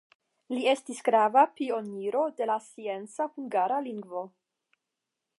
Li estis grava pioniro de la scienca hungara lingvo.